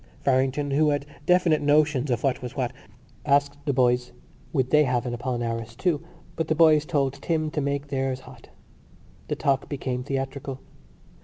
Farrington, who had definite notions of what was what, asked the boys would they have an Apollinaris too; but the boys told Tim to make theirs hot. The talk became theatrical.